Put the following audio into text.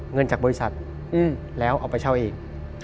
เงินจากบริษัทแล้วเอาไปเช่าเอง